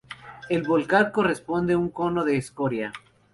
El volcán corresponde un cono de escoria.